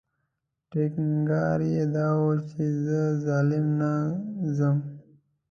ټینګار یې دا و چې زه ظالم نه ځم.